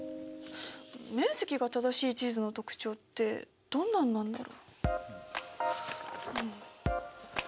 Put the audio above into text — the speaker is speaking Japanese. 面積が正しい地図の特徴ってどんなんなんだろ。